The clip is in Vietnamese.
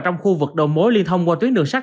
trong khu vực đầu mối liên thông qua tuyến đường sắt